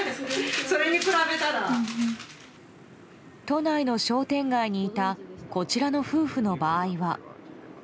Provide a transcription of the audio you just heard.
都内の商店街にいたこちらの夫婦の場合は。